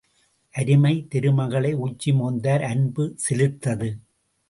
அருமை திருமகளை உச்சி மோந்தார், அன்பு சிலிர்த்தது!